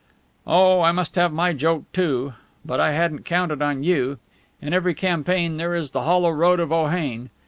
"Oh, I must have my joke, too. But I hadn't counted on you. In every campaign there is the hollow road of Ohain.